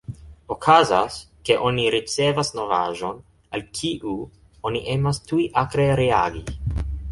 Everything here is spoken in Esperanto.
Okazas, ke oni ricevas novaĵon, al kiu oni emas tuj akre reagi.